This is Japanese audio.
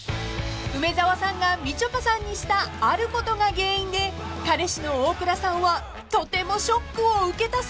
［梅沢さんがみちょぱさんにしたあることが原因で彼氏の大倉さんはとてもショックを受けたそうで］